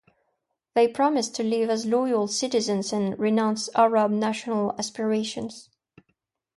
They promised to live as loyal citizens and renounce Arab national aspirations.